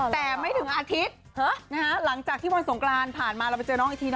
แต่ไม่ถึงอาทิตย์หลังจากที่วันสงครานผ่านมาูอาจจะสดแล้วก็ได้ค่ะ